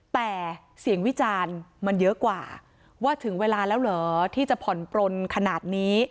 แต่เสียงวิจารณ์มันเยอะกว่าว่าถึงเวลาแล้วเหรอที่จะผ่อนปลนขนาดนี้